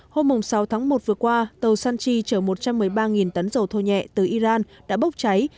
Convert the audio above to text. hôm sáu tháng một vừa qua tàu sanchi chở một trăm một mươi ba tấn dầu thô nhẹ từ iran đã bốc cháy